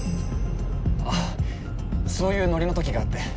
あそういうノリの時があって。